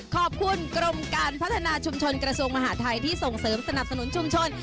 ขอบคุณกรมการพัฒนาชุมชนกระทรวงมหาทัยที่ส่งเสริมสนับสนุนชุมชน